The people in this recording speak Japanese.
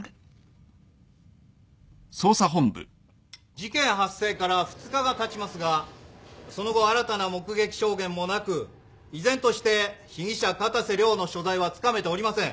事件発生から２日がたちますがその後新たな目撃証言もなく依然として被疑者片瀬涼の所在はつかめておりません。